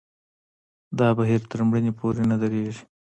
دا بهیر تر مړینې پورې نه درېږي.